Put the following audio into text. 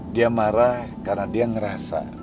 dia marah karena dia ngerasa